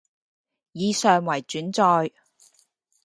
以上為轉載